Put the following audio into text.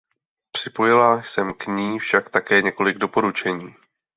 Připojila jsem k ní však také několik doporučení.